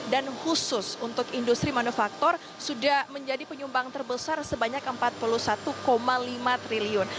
dan khusus untuk industri manufaktur sudah menjadi penyumbang terbesar sebanyak empat puluh satu lima triliun